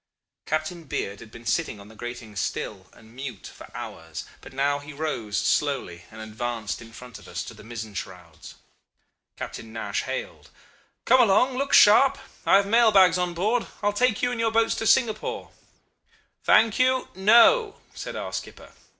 Captain Beard had been sitting on the gratings still and mute for hours, but now he rose slowly and advanced in front of us, to the mizzen shrouds. Captain Nash hailed: 'Come along! Look sharp. I have mail bags on board. I will take you and your boats to Singapore.' "'Thank you! No!' said our skipper.